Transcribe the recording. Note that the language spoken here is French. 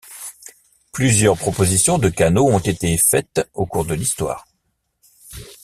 Plusieurs propositions de canaux ont été faites au cours de l'histoire.